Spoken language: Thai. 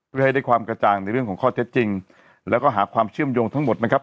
เพื่อให้ได้ความกระจ่างในเรื่องของข้อเท็จจริงแล้วก็หาความเชื่อมโยงทั้งหมดนะครับ